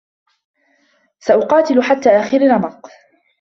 سأقاتل حتّى آخررمق.